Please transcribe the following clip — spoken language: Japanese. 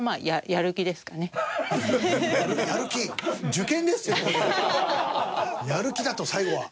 やる気だと最後は。